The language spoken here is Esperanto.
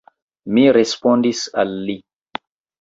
Mi respondis al li.